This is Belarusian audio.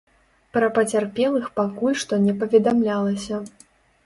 Пра пацярпелых пакуль што не паведамлялася.